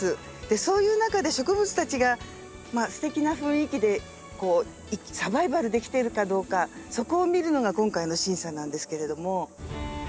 そういう中で植物たちがすてきな雰囲気でサバイバルできているかどうかそこを見るのが今回の審査なんですけれども。